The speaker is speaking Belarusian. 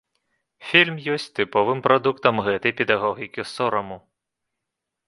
Фільм ёсць тыповым прадуктам гэтай педагогікі сораму.